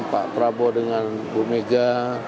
pak prabowo dengan bu mega